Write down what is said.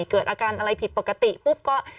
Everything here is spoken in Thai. เกิดอาการอะไรผิดปกติปุ๊บก็